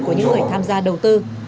của những người tham gia đầu tư